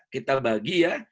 kita bagi ya